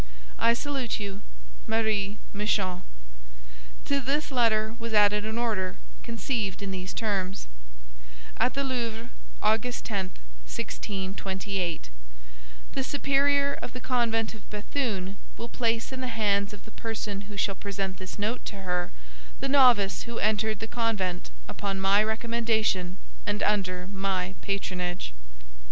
"I salute you, "MARIE MICHON" To this letter was added an order, conceived in these terms: "At the Louvre, August 10, 1628 "The superior of the convent of Béthune will place in the hands of the person who shall present this note to her the novice who entered the convent upon my recommendation and under my patronage.